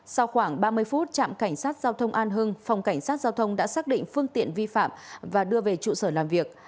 sau khoảng ba mươi phút trạm cảnh sát giao thông an hưng phòng cảnh sát giao thông đã xác định phương tiện vi phạm và đưa về trụ sở làm việc